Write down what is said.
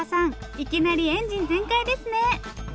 いきなりエンジン全開ですね。